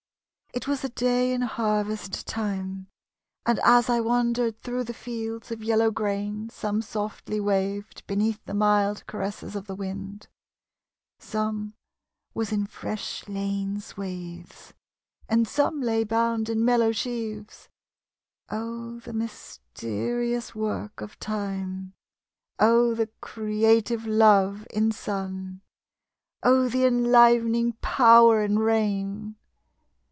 It was a day in harvest time, And as I wandered thro' the fields Of yellow grain, some softly waved Beneath the mild caresses of the wind; Some was in fresh lain swathes; And some lay bound in mellow sheaves Oh, the mysterious work of time! Oh, the creative Love in sun! Oh, the enlivening Power in rain!